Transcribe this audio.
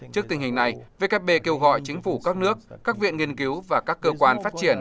trước tình hình này vkp kêu gọi chính phủ các nước các viện nghiên cứu và các cơ quan phát triển